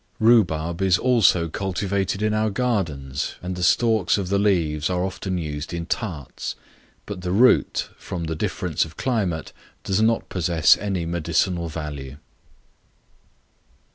Rhubarb is also cultivated in our gardens, and the stalks of the leaves are often used in tarts; but the root, from the difference of climate, does not possess any medicinal virtue.